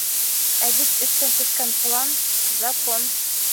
Ә бит өҫтән төшкән план - закон.